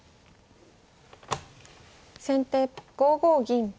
先手５五銀。